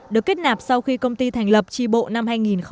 được kết nạp sau khi công ty thành lập tri bộ năm hai nghìn một mươi